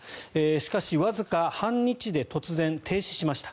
しかし、わずか半日で突然停止しました。